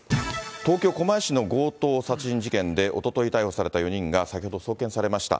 東京・狛江市の強盗殺人事件で、おととい逮捕された４人が先ほど送検されました。